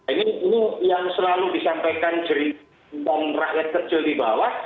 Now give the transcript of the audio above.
ini yang selalu disampaikan dari orang orang kecil di bawah